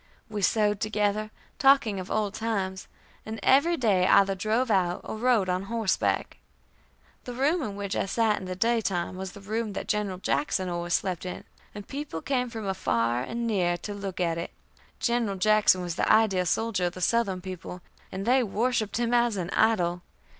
We sewed together, talking of old times, and every day either drove out, or rode on horseback. The room in which I sat in the daytime was the room that General Jackson always slept in, and people came from far and near to look at it. General Jackson was the ideal soldier of the Southern people, and they worshipped him as an idol.